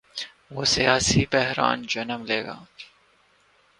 تو سیاسی بحران جنم لے گا۔